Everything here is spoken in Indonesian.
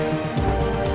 kau mau makan malam